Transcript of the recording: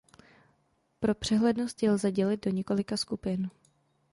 Pro přehlednost je lze dělit do několika skupin.